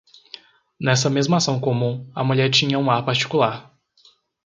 Nessa mesma ação comum, a mulher tinha um ar particular.